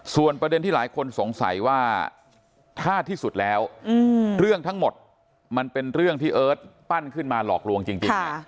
ส่วนประเด็นที่หลายคนสงสัยว่าถ้าที่สุดแล้วเรื่องทั้งหมดมันเป็นเรื่องที่เอิร์ทปั้นขึ้นมาหลอกลวงจริง